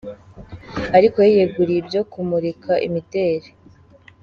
ariko yiyeguriye ibyo kumurika imideli.